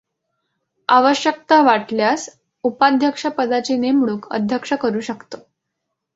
आवश्यकता वाटल्यास उपाध्यक्ष पदाची नेमणूक अध्यक्ष करू शकतो.